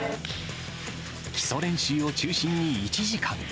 基礎練習を中心に１時間。